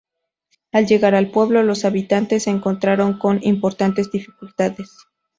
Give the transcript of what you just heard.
Al llegar al pueblo, los habitantes se encontraron con importantes dificultades.